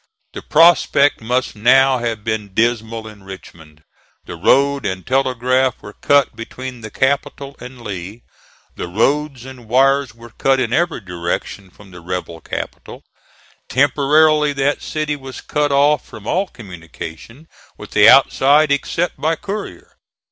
The prospect must now have been dismal in Richmond. The road and telegraph were cut between the capital and Lee. The roads and wires were cut in every direction from the rebel capital. Temporarily that city was cut off from all communication with the outside except by courier.